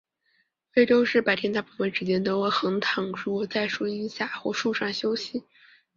非洲狮白天大部分时间都横躺竖卧在树荫下或树上休息。